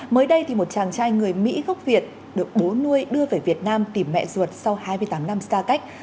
mới đây thì một chàng trai người mỹ gốc việt được bố nuôi đưa về việt nam tìm mẹ ruột sau hai mươi tám năm xa cách